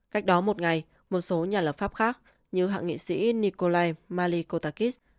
cách đó một ngày một số nhà lập pháp khác như hạ nghị sĩ nikolai malikotakis